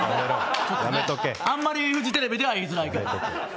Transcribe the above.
あまりフジテレビでは言いづらいけど。